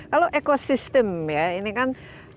kalau ekosistem ya ini kan